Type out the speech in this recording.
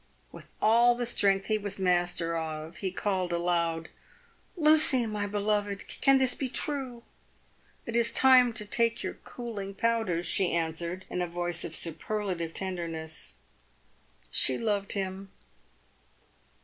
"With all the strength he was master of he called aloud, ' Lucy, my beloved ! can this be true V f. It is time to take your cooling powders,' she answered, in a voice of superlative tenderness. She loved him."